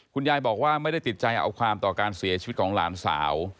คุณยายบอกว่าไม่ได้ติดใจเอาความต่อการเสียชีวิตของหลานสาว